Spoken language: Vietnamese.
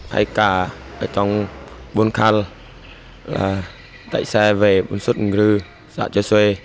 hay cả ở trong buôn khăn là chạy xe về buôn xuất ngư dạo cho xuê